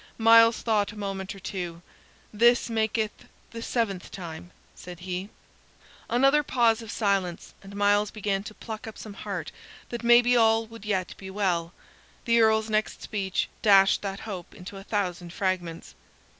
Myles thought a moment or two. "This maketh the seventh time," said he. Another pause of silence followed, and Myles began to pluck up some heart that maybe all would yet be well. The Earl's next speech dashed that hope into a thousand fragments.